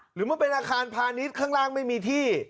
หรือมันเป็นอาคารพาณิชย์ข้างล่างไม่มีที่